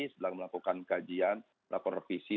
sedang melakukan kajian melakukan revisi